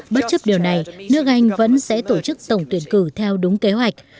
bất chấp điều này nước anh vẫn sẽ tổ chức tổng tuyển cử theo đúng kế hoạch